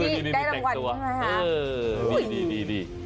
ดีได้รางวัล